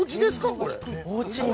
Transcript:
これ。